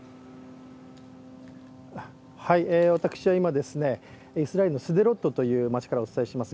私は今、イスラエルのスデロットという町からお伝えします。